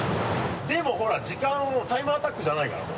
でもほら時間タイムアタックじゃないから。